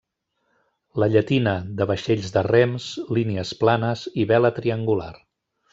La llatina, de vaixells de rems, línies planes i vela triangular.